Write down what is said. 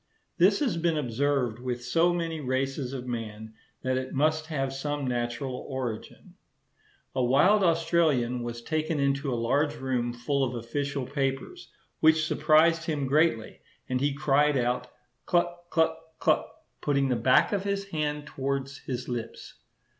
This has been observed with so many races of man, that it must have some natural origin. A wild Australian was taken into a large room full of official papers, which surprised him greatly, and he cried out, cluck, cluck, cluck, putting the back of his hand towards his lips.